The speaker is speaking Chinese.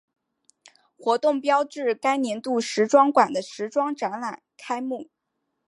活动标志该年度时装馆的时装展览开幕。